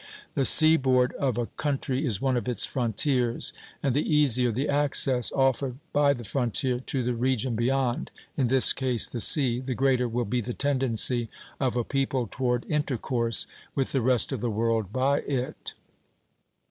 The seaboard of a country is one of its frontiers; and the easier the access offered by the frontier to the region beyond, in this case the sea, the greater will be the tendency of a people toward intercourse with the rest of the world by it.